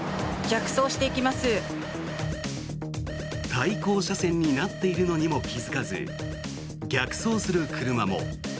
対向車線になっているのにも気付かず、逆走する車も。